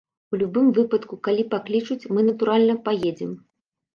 У любым выпадку, калі паклічуць, мы, натуральна, паедзем!